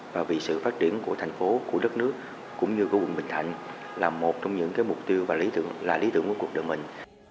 và vì sự phát triển của thành phố của đất nước cũng như của quận bình thạnh là một trong những mục tiêu và lý tưởng là lý tưởng của cuộc đời mình